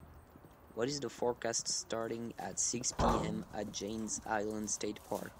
what is the forecast starting at six pm at Janes Island State Park